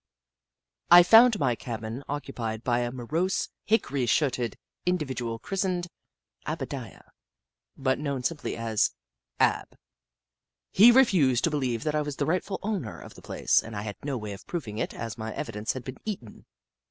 I found my new cabin occupied by a morose, hickory shirted individual christened " Aba diah," but known simply as " Ab." He refused to believe that I was the rightful owner of the place, and I had no way of proving it, as my evidence had been eaten.